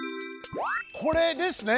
これですね。